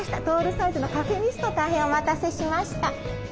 トールサイズのカフェミスト大変お待たせしました。